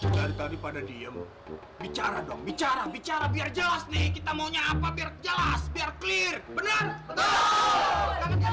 daripada diem bicara dong bicara bicara biar jelas nih kita maunya apa biar jelas biar clear benar